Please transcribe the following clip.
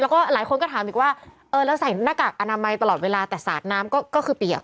แล้วก็หลายคนก็ถามอีกว่าเออแล้วใส่หน้ากากอนามัยตลอดเวลาแต่สาดน้ำก็คือเปียก